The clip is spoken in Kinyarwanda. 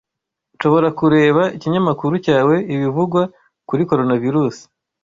Nshobora kureba ikinyamakuru cyawe ibivugwa kuri Coronavirus?